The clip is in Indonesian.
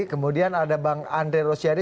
kemudian ada bang andre rosiade